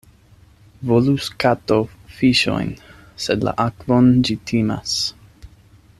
Volus kato fiŝojn, sed la akvon ĝi timas.